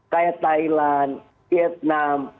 seperti thailand vietnam